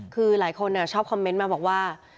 คือหลายคนชอบคอมเมนต์มาบอกว่า